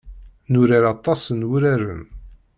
Nurar aṭas n wuraren.